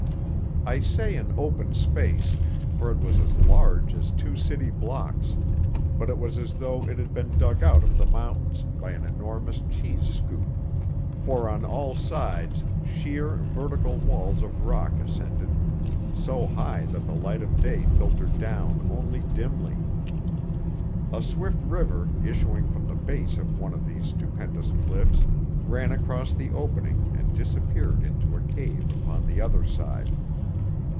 I say an open space, for it was as large as two city blocks; but it was as though it had been dug out of the mountains by an enormous cheese scoop, for on all sides sheer, vertical walls of rock ascended, so high that the light of day filtered down only dimly. A swift river, issuing from the base of one of these stupendous cliffs, ran across the opening and disappeared into a cave upon the other side.